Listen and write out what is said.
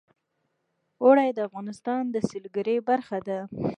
اوړي د افغانستان د سیلګرۍ برخه ده.